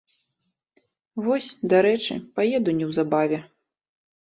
Вось, дарэчы, паеду неўзабаве.